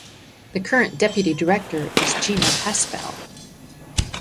The current Deputy Director is Gina Haspel.